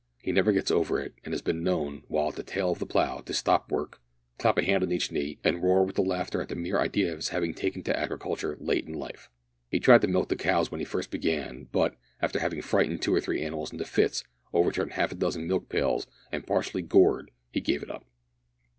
He never gets over it, and has been known, while at the tail of the plough, to stop work, clap a hand on each knee, and roar with laughter at the mere idea of his having taken to agriculture late in life! He tried to milk the cows when he first began, but, after having frightened two or three animals into fits, overturned half a dozen milk pails, and been partially gored, he gave it up.